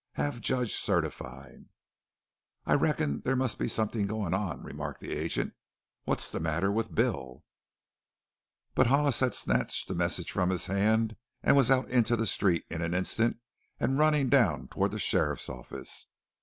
Have Judge certify," "I reckon there must be somethin' goin' on," remarked the agent. "What's the matter with Bill " But Hollis had snatched the message from his hand and was out into the street in an instant and running down toward the sheriff's office.